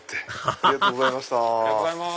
ありがとうございます。